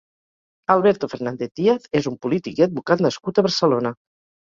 Alberto Fernández Díaz és un polític i advocat nascut a Barcelona.